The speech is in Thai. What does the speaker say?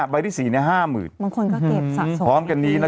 พร้อมกันที่นี้นะเจ้าตัวเขาชี้แจงนะบอกว่าราคาที่จ่ายไปคือราคาที่ตนเองรับได้